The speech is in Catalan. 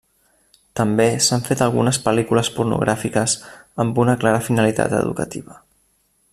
També s'han fet algunes pel·lícules pornogràfiques amb una clara finalitat educativa.